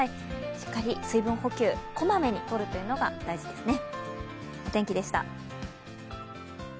しっかり水分補給、こまめにとるというのが大事ですね。